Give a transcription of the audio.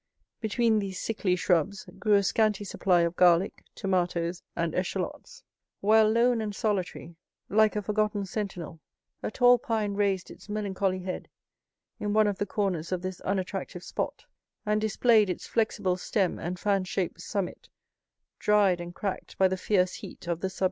Between these sickly shrubs grew a scanty supply of garlic, tomatoes, and eschalots; while, lone and solitary, like a forgotten sentinel, a tall pine raised its melancholy head in one of the corners of this unattractive spot, and displayed its flexible stem and fan shaped summit dried and cracked by the fierce heat of the sub tropical sun.